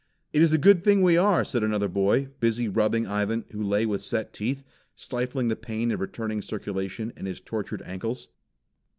"It is a good thing we are," said another boy, busy rubbing Ivan who lay with set teeth, stifling the pain of returning circulation in his tortured ankles.